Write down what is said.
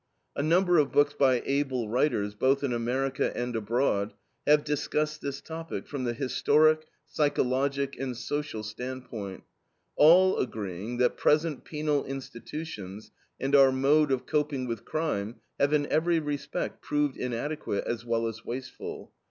A number of books by able writers, both in America and abroad, have discussed this topic from the historic, psychologic, and social standpoint, all agreeing that present penal institutions and our mode of coping with crime have in every respect proved inadequate as well as wasteful.